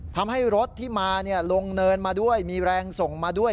ทำให้รถที่มาลงเนินมาด้วยมีแรงส่งมาด้วย